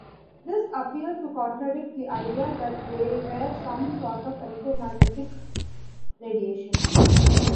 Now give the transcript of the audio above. This appeared to contradict the idea that they were some sort of electromagnetic radiation.